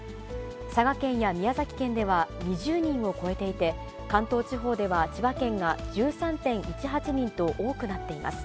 佐賀県や宮崎県では２０人を超えていて、関東地方では千葉県が１３．１８人と多くなっています。